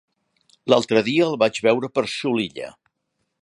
L'altre dia el vaig veure per Xulilla.